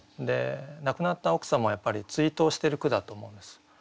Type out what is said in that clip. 亡くなった奥様をやっぱり追悼してる句だと思うんです。